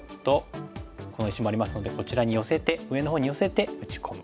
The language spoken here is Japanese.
この石もありますのでこちらに寄せて上のほうに寄せて打ち込む。